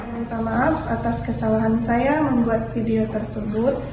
minta maaf atas kesalahan saya membuat video tersebut